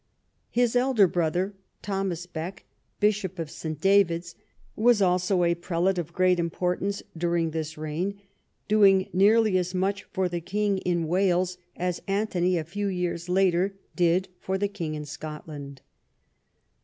His elder brother, Thomas Bek, Bishop of St. David's, was also a prelate of great importance during this reign, doing nearly as much for the king in Wales as Anthony a few years later did for the king in Scotland.